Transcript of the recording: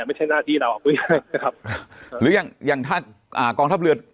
ไม่ใช่หน้าที่เราครับหรือยังอย่างท่านอ่ากองทัพเรือ